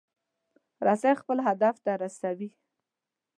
رسۍ خپل هدف ته رسوي.